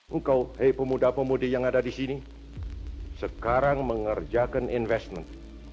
engkau hei pemuda pemudi yang ada di sini sekarang mengerjakan investment